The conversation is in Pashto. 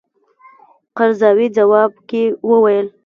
قرضاوي ځواب کې وویل.